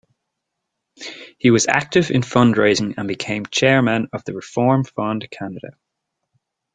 He was active in fundraising and became chairman of the Reform Fund Canada.